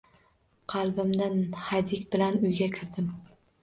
Qalbimda hadik bilan uyga kirdim